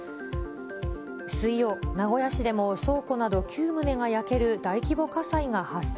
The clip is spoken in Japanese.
水曜、名古屋市でも倉庫など９棟が焼ける大規模火災が発生。